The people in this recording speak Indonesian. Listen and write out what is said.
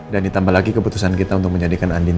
dan ditambah lagi keputusan kita untuk menjadikan andin